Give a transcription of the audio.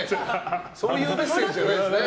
そういうメッセージじゃないですね。